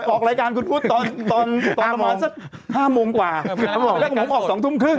ออกรายการคุณพูดตอนตอนประมาณสัก๕โมงกว่าแล้วผมออก๒ทุ่มครึ่ง